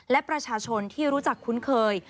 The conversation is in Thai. และประชาชนที่รู้จักคุ้นเคย